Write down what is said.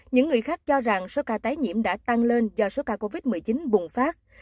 những người khác cho rằng số ca tái nhiễm đã tăng lên do số ca covid một mươi chín bùng phát